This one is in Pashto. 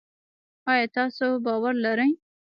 آیا تاسو باور لرئ؟